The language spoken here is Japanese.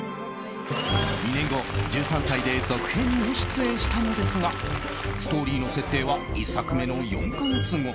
２年後、１３歳で続編に出演したのですがストーリーの設定は１作目の４か月後。